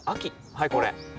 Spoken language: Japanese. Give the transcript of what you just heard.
はいこれ。